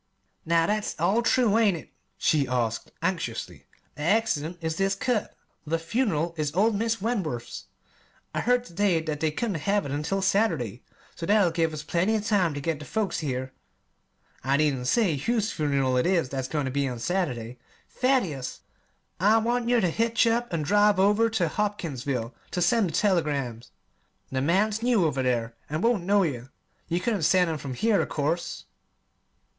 "Now, that's all true, ain't it?" she asked anxiously. "The 'accident' is this cut. The 'fun'ral' is old Mis' Wentworth's. I heard ter day that they couldn't have it until Saturday, so that'll give us plenty of time ter get the folks here. I needn't say whose fun'ral it is that's goin' ter be on Saturday, Thaddeus! I want yer ter hitch up an' drive over ter Hopkinsville ter send the telegrams. The man's new over there, an' won't know yer. You couldn't send 'em from here, of course."